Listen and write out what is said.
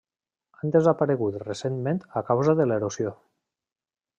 Han desaparegut recentment a causa de l'erosió.